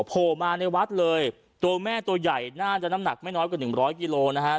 โผล่มาในวัดเลยตัวแม่ตัวใหญ่น่าจะน้ำหนักไม่น้อยกว่าหนึ่งร้อยกิโลนะฮะ